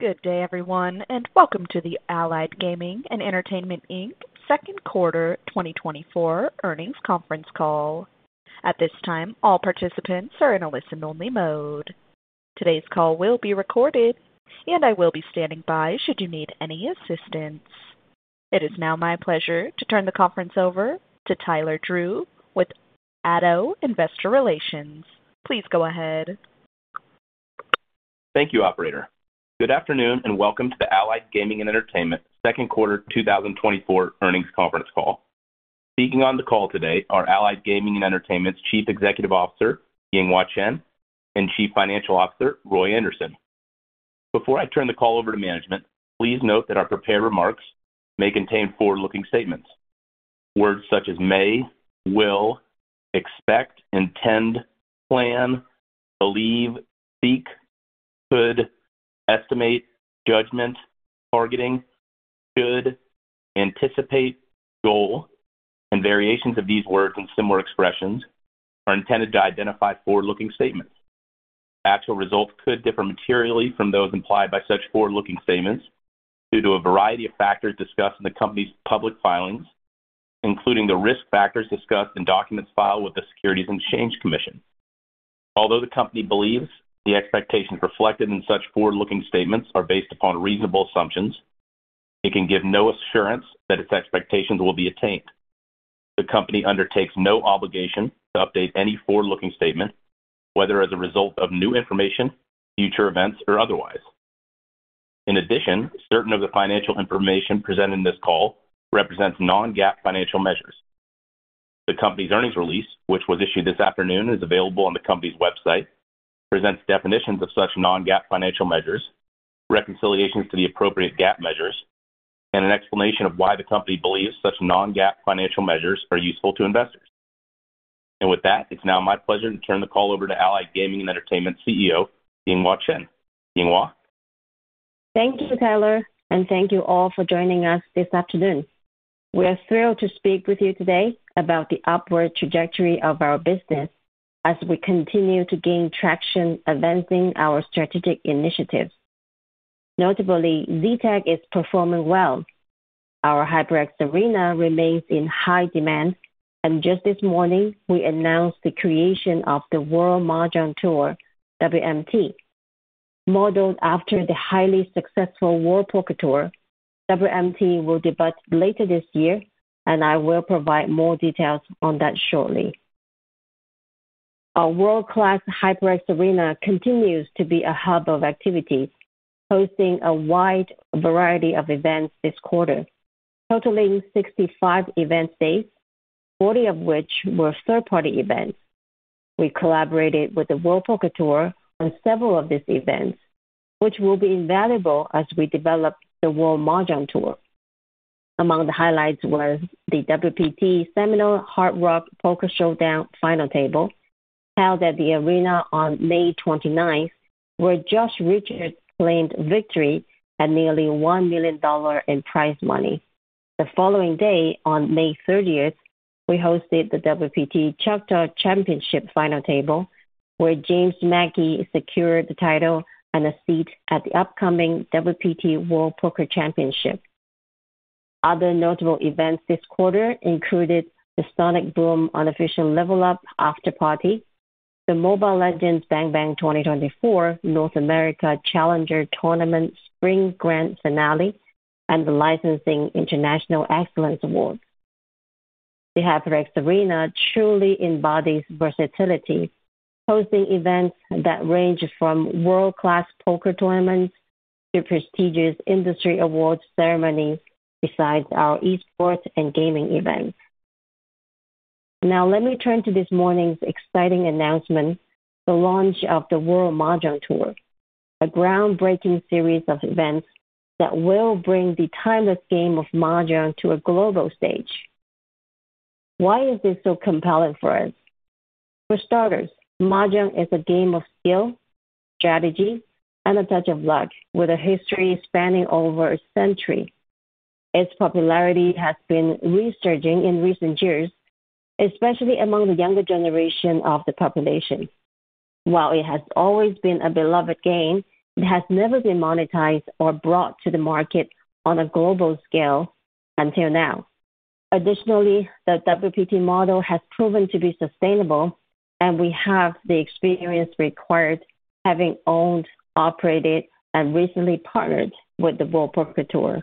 Good day, everyone, and welcome to the Allied Gaming and Entertainment Inc. second quarter twenty twenty-four earnings conference call. At this time, all participants are in a listen-only mode. Today's call will be recorded, and I will be standing by should you need any assistance. It is now my pleasure to turn the conference over to Tyler Drew with Addo Investor Relations. Please go ahead. Thank you, operator. Good afternoon, and welcome to the Allied Gaming and Entertainment second quarter two thousand twenty-four earnings conference call. Speaking on the call today are Allied Gaming and Entertainment's Chief Executive Officer, Yinghua Chen, and Chief Financial Officer, Roy Anderson. Before I turn the call over to management, please note that our prepared remarks may contain forward-looking statements. Words such as may, will, expect, intend, plan, believe, seek, could, estimate, judgment, targeting, should, anticipate, goal, and variations of these words and similar expressions are intended to identify forward-looking statements. Actual results could differ materially from those implied by such forward-looking statements due to a variety of factors discussed in the company's public filings, including the risk factors discussed in documents filed with the Securities and Exchange Commission. Although the company believes the expectations reflected in such forward-looking statements are based upon reasonable assumptions, it can give no assurance that its expectations will be attained. The company undertakes no obligation to update any forward-looking statement, whether as a result of new information, future events, or otherwise. In addition, certain of the financial information presented in this call represents non-GAAP financial measures. The company's earnings release, which was issued this afternoon, is available on the company's website, presents definitions of such non-GAAP financial measures, reconciliations to the appropriate GAAP measures, and an explanation of why the company believes such non-GAAP financial measures are useful to investors. And with that, it's now my pleasure to turn the call over to Allied Gaming and Entertainment CEO, Yinghua Chen. Yinghua? Thank you, Tyler, and thank you all for joining us this afternoon. We are thrilled to speak with you today about the upward trajectory of our business as we continue to gain traction advancing our strategic initiatives. Notably, Z-Tech is performing well. Our HyperX Arena remains in high demand, and just this morning, we announced the creation of the World Mahjong Tour, WMT. Modeled after the highly successful World Poker Tour, WMT will debut later this year, and I will provide more details on that shortly. Our world-class HyperX Arena continues to be a hub of activity, hosting a wide variety of events this quarter, totaling 65 event days, 40 of which were third-party events. We collaborated with the World Poker Tour on several of these events, which will be invaluable as we develop the World Mahjong Tour. Among the highlights was the WPT Seminole Hard Rock Poker Showdown Final Table, held at the arena on May 29th, where Josh Reichard claimed victory at nearly $1 million in prize money. The following day, on May 30th, we hosted the WPT Choctaw Championship Final Table, where James Mackey secured the title and a seat at the upcoming WPT World Poker Championship. Other notable events this quarter included the Sonic Boom unofficial Level Up after party, the Mobile Legends: Bang Bang 2024 North America Challenger Tournament Spring Grand Finale, and the Licensing International Excellence Awards. The HyperX Arena truly embodies versatility, hosting events that range from world-class poker tournaments to prestigious industry awards ceremonies, besides our Esports and gaming events. Now, let me turn to this morning's exciting announcement, the launch of the World Mahjong Tour, a groundbreaking series of events that will bring the timeless game of mahjong to a global stage. Why is this so compelling for us? For starters, mahjong is a game of skill, strategy, and a touch of luck, with a history spanning over a century. Its popularity has been resurging in recent years, especially among the younger generation of the population. While it has always been a beloved game, it has never been monetized or brought to the market on a global scale until now. Additionally, the WPT model has proven to be sustainable, and we have the experience required, having owned, operated, and recently partnered with the World Poker Tour.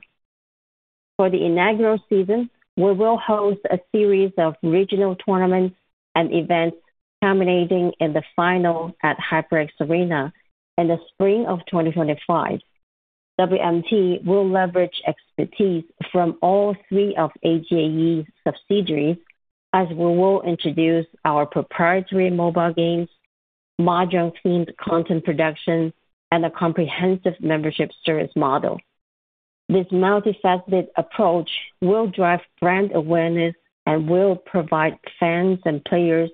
For the inaugural season, we will host a series of regional tournaments and events, culminating in the final at HyperX Arena in the spring of 2025. WMT will leverage expertise from all three of AGAE's subsidiaries, as we will introduce our proprietary mobile games, mahjong-themed content production, and a comprehensive membership service model. This multifaceted approach will drive brand awareness and will provide fans and players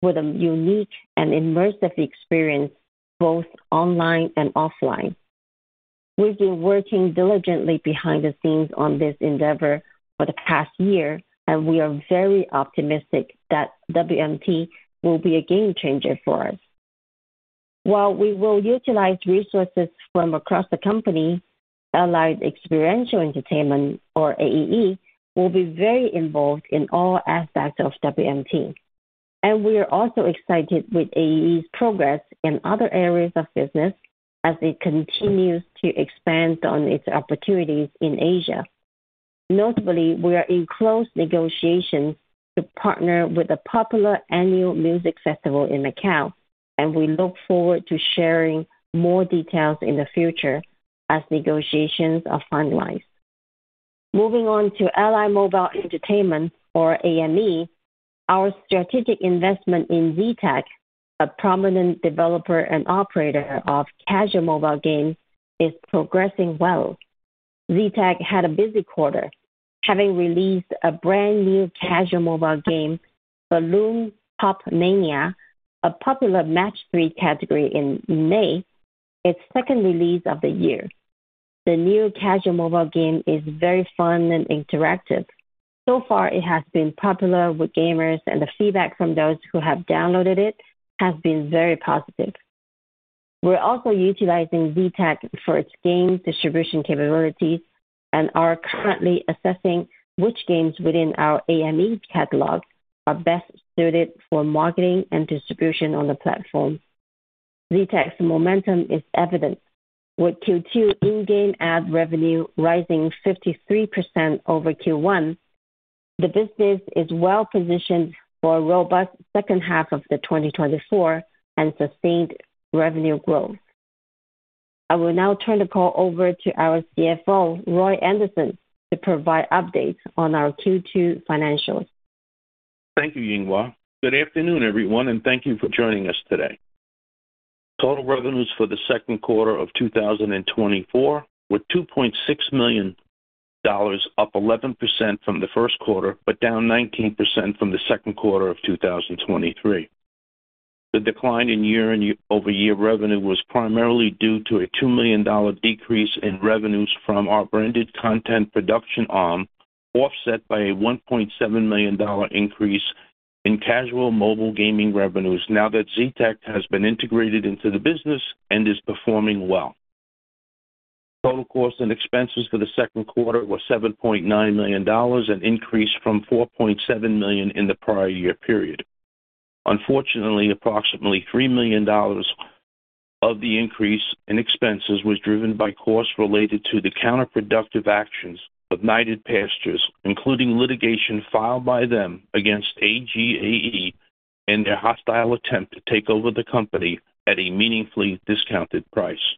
with a unique and immersive experience, both online and offline. We've been working diligently behind the scenes on this endeavor for the past year, and we are very optimistic that WMT will be a game changer for us. While we will utilize resources from across the company, Allied Experiential Entertainment, or AEE, will be very involved in all aspects of WMT. and we are also excited with AEE's progress in other areas of business as it continues to expand on its opportunities in Asia. Notably, we are in close negotiations to partner with a popular annual music festival in Macau, and we look forward to sharing more details in the future as negotiations are finalized. Moving on to Allied Mobile Entertainment, or AME, our strategic investment in Z-Tech, a prominent developer and operator of casual mobile games, is progressing well. Z-Tech had a busy quarter, having released a brand new casual mobile game, Balloon Pop Mania, a popular match three category in May, its second release of the year. The new casual mobile game is very fun and interactive. So far, it has been popular with gamers, and the feedback from those who have downloaded it has been very positive. We're also utilizing Z-Tech for its game distribution capabilities and are currently assessing which games within our AME catalog are best suited for marketing and distribution on the platform. Z-Tech's momentum is evident. With Q2 in-game ad revenue rising 53% over Q1, the business is well positioned for a robust second half of 2024 and sustained revenue growth. I will now turn the call over to our CFO, Roy Anderson, to provide updates on our Q2 financials. Thank you, Yinghua. Good afternoon, everyone, and thank you for joining us today. Total revenues for the second quarter of 2024 were $2.6 million, up 11% from the first quarter, but down 19% from the second quarter of 2023. The decline in year-over-year revenue was primarily due to a $2 million decrease in revenues from our branded content production arm, offset by a $1.7 million increase in casual mobile gaming revenues now that Z-Tech has been integrated into the business and is performing well. Total costs and expenses for the second quarter were $7.9 million, an increase from $4.7 million in the prior year period. Unfortunately, approximately $3 million of the increase in expenses was driven by costs related to the counterproductive actions of Knighted Pastures, including litigation filed by them against AGAE in their hostile attempt to take over the company at a meaningfully discounted price.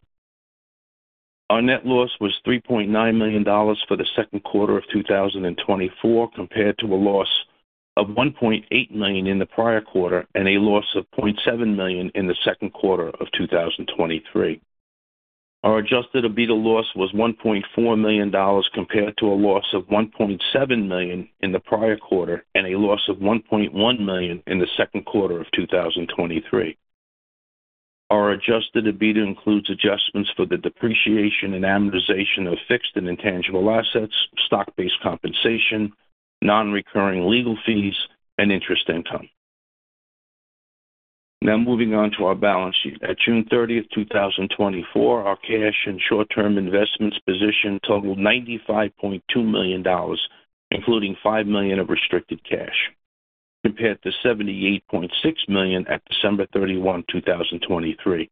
Our net loss was $3.9 million for the second quarter of 2024, compared to a loss of $1.8 million in the prior quarter and a loss of $0.7 million in the second quarter of 2023. Our Adjusted EBITDA loss was $1.4 million, compared to a loss of $1.7 million in the prior quarter and a loss of $1.1 million in the second quarter of 2023. Our adjusted EBITDA includes adjustments for the depreciation and amortization of fixed and intangible assets, stock-based compensation, non-recurring legal fees, and interest income. Now moving on to our balance sheet. At June thirtieth, two thousand and twenty-four, our cash and short-term investments position totaled $95.2 million, including $5 million of restricted cash, compared to $78.6 million at December thirty-one, two thousand and twenty-three.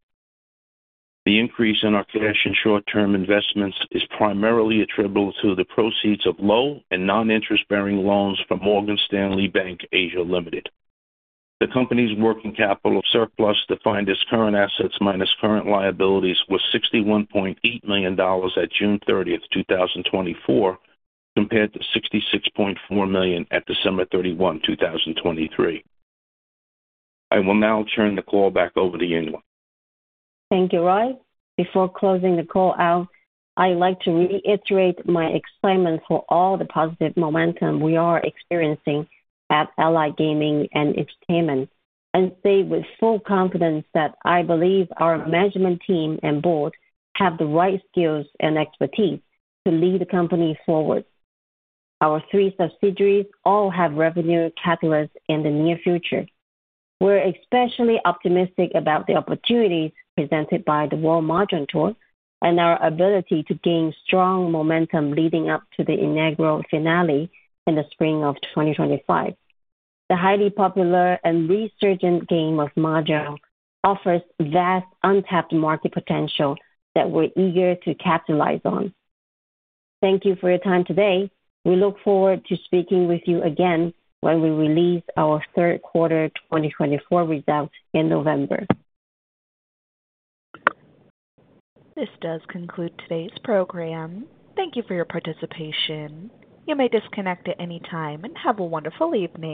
The increase in our cash and short-term investments is primarily attributable to the proceeds of low and non-interest-bearing loans from Morgan Stanley Bank Asia Limited. The company's working capital surplus, defined as current assets minus current liabilities, was $61.8 million at June thirtieth, two thousand and twenty-four, compared to $66.4 million at December thirty-one, two thousand and twenty-three. I will now turn the call back over to Yinghua Chen. Thank you, Roy. Before closing the call out, I'd like to reiterate my excitement for all the positive momentum we are experiencing at Allied Gaming and Entertainment, and say with full confidence that I believe our management team and board have the right skills and expertise to lead the company forward. Our three subsidiaries all have revenue catalysts in the near future. We're especially optimistic about the opportunities presented by the World Mahjong Tour and our ability to gain strong momentum leading up to the inaugural finale in the spring of 2025. The highly popular and resurgent game of Mahjong offers vast untapped market potential that we're eager to capitalize on. Thank you for your time today. We look forward to speaking with you again when we release our third quarter 2024 results in November. This does conclude today's program. Thank you for your participation. You may disconnect at any time, and have a wonderful evening.